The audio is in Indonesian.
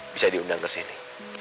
bisa diundang ke sini